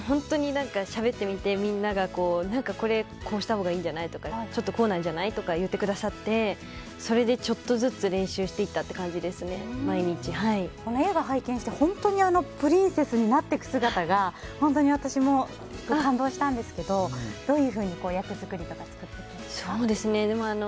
しゃべってみて、みんながこうしたほうがいいんじゃないとかこうなんじゃない？とか言ってくださってそれで、ちょっとずつ練習していったっていう映画拝見して、本当にプリンセスになっていく姿が本当に私も感動したんですけどどういうふうに役作りとかしていったんですか？